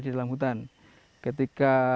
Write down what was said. di dalam hutan ketika